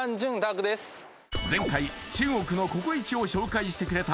前回中国のココイチを紹介してくれた